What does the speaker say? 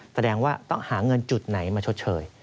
แสดงว่าต้องหาเงินจุดไหนมาชดเชย